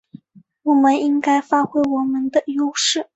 我们应该发挥我们的优势